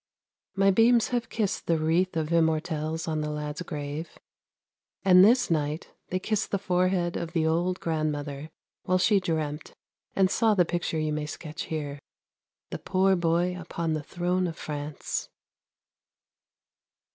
My beams have kissed the wreath of Immortelles on the lad's grave, and this night they kissed the forehead of the old grandmother while she dreamt and saw the picture you may sketch here, ' The poor boy upon the throne of France